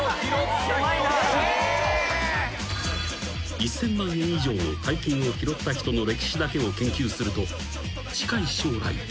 ［１，０００万円以上の大金を拾った人の歴史だけを研究すると近い将来］